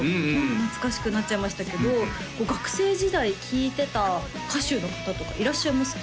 懐かしくなっちゃいましたけど学生時代聴いてた歌手の方とかいらっしゃいますか？